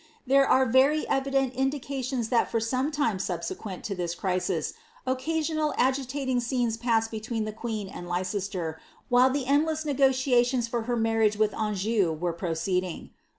There are very e»l imlicalions ihat for some lime subneijnem lo this crisis. ocrasjotiBl tatin^ scenes passed between the queen and Leicester, while the em ne^tiationa for her marriage with Anjou were proceeding.